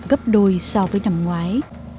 gấp đôi so với năm ngoái